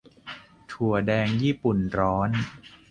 - ถั่วแดงญี่ปุ่นร้อน